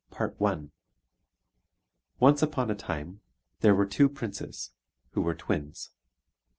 CHAPTER I PERSEUS Once upon a time there were two princes who were twins.